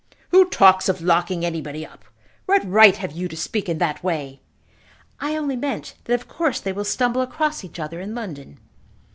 "Who talks of locking anybody up? What right have you to speak in that way?" "I only meant that of course they will stumble across each other in London."